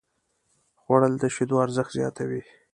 خوړل د شیدو ارزښت زیاتوي